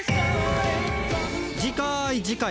いじかい。